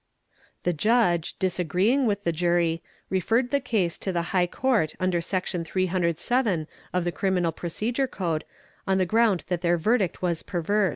"The Judge, disagreeing with the Jury, referred the case to the High Court under Section 307 of the Criminal Procedure Code on the ground that their verdict was perverse."